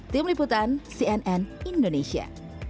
tim liputan cnn indonesia